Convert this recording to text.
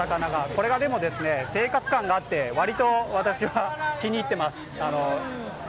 これがでも生活感があって割と私は気に入っています。